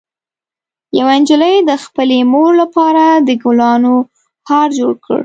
یوه نجلۍ د خپلې مور لپاره د ګلانو هار جوړ کړ.